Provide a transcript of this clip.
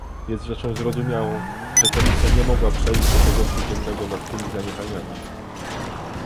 Jest rzeczą zrozumiałą, że Komisja nie mogła przejść do porządku dziennego nad tymi zaniechaniami